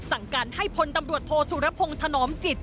สุรพงษ์ถนอมจิต